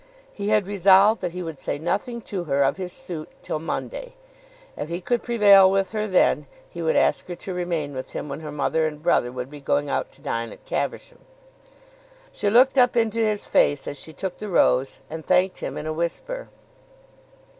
He had resolved that he would say nothing to her of his suit till Monday. If he could prevail with her then he would ask her to remain with him when her mother and brother would be going out to dine at Caversham. She looked up into his face as she took the rose and thanked him in a whisper.